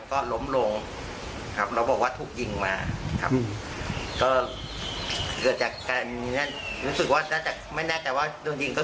แล้วก็ขับรถสอนท้ายกันมาที่พนักอาทิตย์ด้านใหม่ครับ